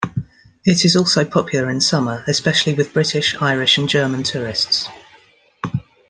It is also popular in summer, especially with British, Irish and German tourists.